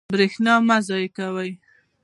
برښنا مه ضایع کوئ